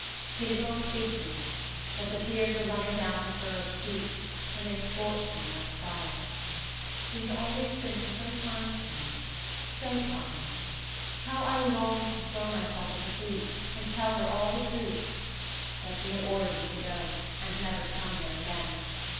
She did not speak to me; but the tears were running down her furrowed cheeks, and they scorched me like fire. She had always been so kind to me! So kind! How I longed to throw myself at her feet, and tell her all the truth! But she had ordered me to go, and never to come there again.